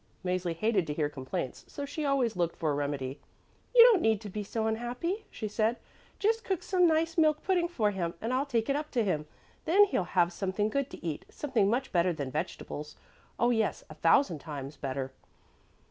Mäzli hated to hear complaints, so she always looked for a remedy. "You don't need to be so unhappy," she said. "Just cook some nice milk pudding for him and I'll take it up to him. Then he'll have something good to eat, something much better than vegetables; oh, yes, a thousand times better."